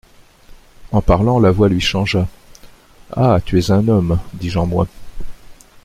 En parlant, la voix lui changea … «Ah ! tu es homme !» dis-je en moi.